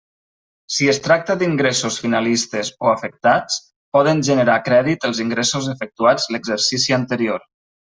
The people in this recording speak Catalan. Si es tracta d'ingressos finalistes o afectats, poden generar crèdit els ingressos efectuats l'exercici anterior.